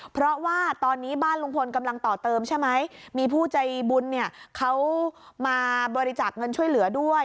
เพราะว่าตอนนี้บ้านลุงพลกำลังต่อเติมใช่ไหมมีผู้ใจบุญเนี่ยเขามาบริจาคเงินช่วยเหลือด้วย